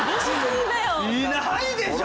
いないでしょ！